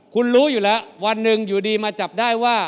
คุณรู้อยู่แล้ววันหนึ่งอยู่ดีมาจับได้ว่า